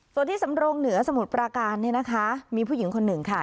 ส่วนที่สำรงเหนือสมุทรปราการเนี่ยนะคะมีผู้หญิงคนหนึ่งค่ะ